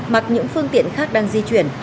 mặc những phương tiện khác đang di chuyển